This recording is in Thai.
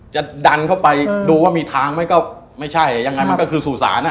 จะดันเข้าไปดูว่ามีทางไหมก็ไม่ใช่ยังไงมันก็คือสู่ศาลอ่ะ